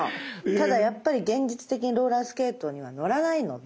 ただやっぱり現実的にローラースケートには乗らないので。